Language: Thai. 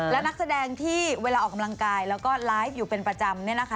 และนักแสดงที่เวลาออกกำลังกายแล้วก็ไลฟ์อยู่เป็นประจำ